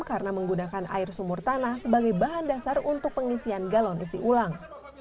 karena menggunakan air sumur tanah sebagai bahan dasar untuk pengisian galon isi ulang